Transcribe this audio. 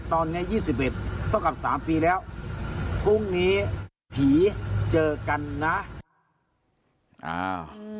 พรุ่งนี้ผีเจอกันน้า